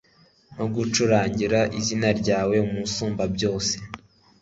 no gucurangira izina ryawe Musumbabyose